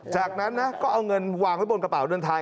จากนั้นนะก็เอาเงินวางไว้บนกระเป๋าเรือนไทย